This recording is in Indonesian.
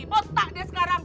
botak dia sekarang